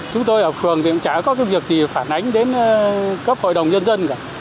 chúng tôi ở phường thì cũng chả có cái việc gì phản ánh đến cấp hội đồng nhân dân cả